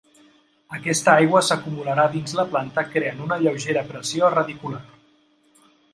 Aquesta aigua s'acumularà dins la planta, creant una lleugera pressió radicular.